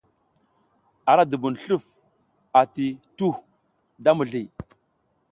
Ara dubun sluf ati tuhu da mizliy.